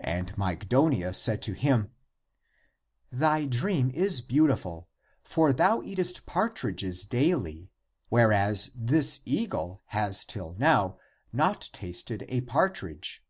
And Mygdonia said to him, *' Thy dream is beautiful, for thou eatest partridges daily, where as this eagle has till now not tasted a partridge."